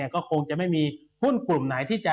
ก็คงจะไม่มีหุ้นกลุ่มไหนที่จะ